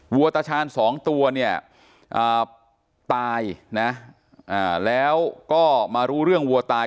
วัวตาชาญสองตัวเนี่ยตายนะแล้วก็มารู้เรื่องวัวตาย